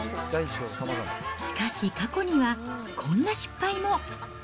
しかし過去には、こんな失敗も。